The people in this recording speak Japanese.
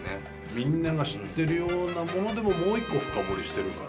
みんなが知ってるようなものでももう１個深堀りしてるから。